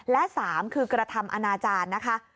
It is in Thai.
และ๓คือกระทำอนาจารย์นะคะ